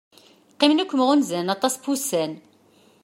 Qqimen akken mɣunzan aṭas n wussan.